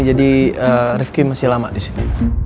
jadi rifki masih lama disini